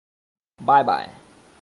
বায়, বায়।